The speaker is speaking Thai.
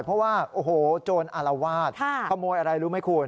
เพราะว่าโอ้โหโจรอรวาสขโมยอะไรรู้ไหมคุณ